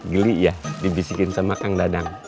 geli ya dibisikin sama kang dadang